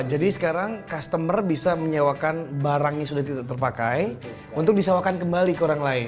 sekarang customer bisa menyewakan barang yang sudah tidak terpakai untuk disewakan kembali ke orang lain